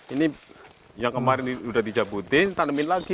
ini yang kemarin ini udah dijabutin tanemin lagi